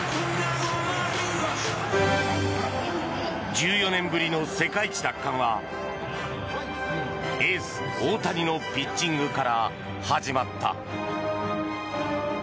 １４年ぶりの世界一奪還はエース大谷のピッチングから始まった。